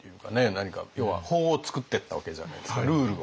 何か要は法を作ってったわけじゃないですかルールを。